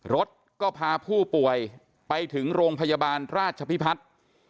รถก็พาผู้ป่วยไปถึงโรงพยาบาลราชพิพัฒน์